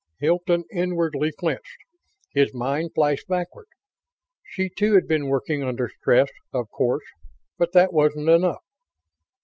Hilton inwardly flinched. His mind flashed backward. She too had been working under stress, of course; but that wasn't enough.